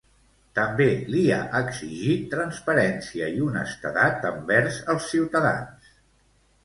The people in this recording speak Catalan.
També li ha exigit transparència i honestedat envers els ciutadans.